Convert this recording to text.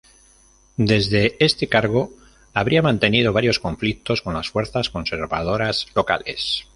Desde este cargo habría mantenido varios conflictos con las fuerzas conservadoras locales.